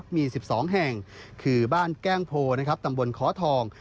มี๑๒แห่งคือบ้านแก้งโพตำบลค้อทอง